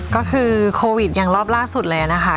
ก็คือโควิดอย่างรอบล่าสุดเลยนะคะ